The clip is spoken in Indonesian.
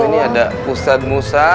ini ada ustadz musa